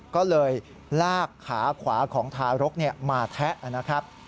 ก็เลยลากขาขวาของทารกมาแทะนะครับ